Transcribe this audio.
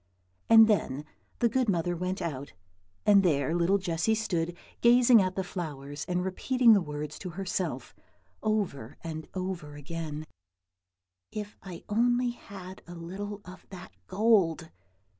And then the good mother went out, and there little Jessy stood, gazing at the flowers, and repeating the words to herself, over and over again, "If I only had a little of that gold!"